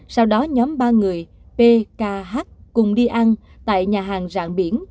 sau đó nhóm ba người p k h cùng đi ăn tại nhà hàng rạng biển